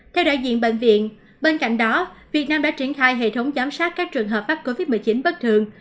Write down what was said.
theo đại diện bệnh viện bên cạnh đó việt nam đã triển khai hệ thống giám sát các trường hợp mắc covid một mươi chín bất thường